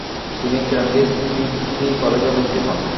তিনি Cambridge Trinity কলেজে ভর্তি হন।